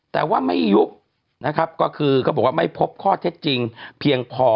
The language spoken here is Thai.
แต่ว่าไม่ยุบนะครับก็คือก็บอกว่าไม่พบข้อเท็จจริงเพียงพอ